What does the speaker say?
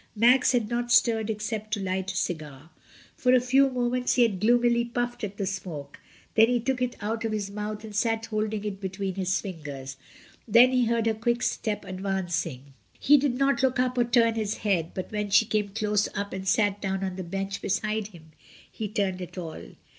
Max had not stirred except to light a cigar. For a few minutes he had gloomily SAYING "GOOD BYE." 1 39 puffed at the smoke, then he took it out of his mouth and sat holding it between his fingers. Then he heard her quick step advancing, he did not look up or turn his head, but when she came close up and sat down on the bench beside him, he turned at last.